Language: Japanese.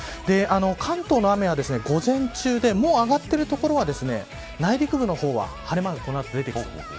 関東の雨は午前中でもう上がっている所は内陸部の方は晴れ間がこの後出てきそうです。